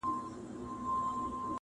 یو په ښار کي اوسېدی بل په صحرا کي-